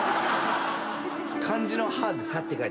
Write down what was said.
漢字の「歯」ですか？